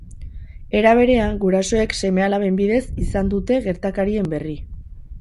Era berean, gurasoek seme-alaben bidez izan dute gertakarien berri.